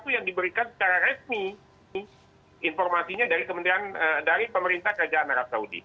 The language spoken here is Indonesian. yang diberikan secara resmi informasinya dari pemerintah kerajaan arab saudi